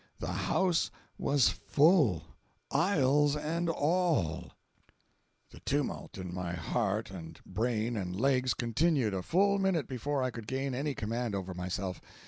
The house was full, aisles and all! 561.jpg (45K) The tumult in my heart and brain and legs continued a full minute before I could gain any command over myself.